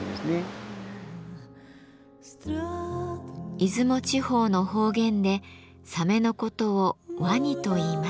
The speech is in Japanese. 出雲地方の方言でサメのことを「ワニ」といいます。